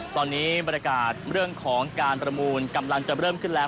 ตอนนี้บรรยากาศเรื่องของการประมูลกำลังจะเริ่มขึ้นแล้ว